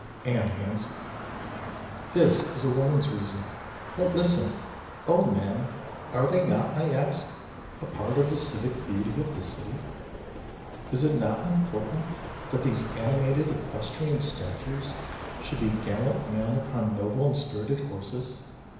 And handsome. This is a woman's reason, but listen: O men, are they not, I ask, a part of the civic beauty of the city? Is it not important that these animated equestrian statues should be gallant men upon noble and spirited horses?